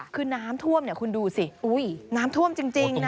คือน้ำท่วมเนี่ยคุณดูสิอุ้ยน้ำท่วมจริงนะ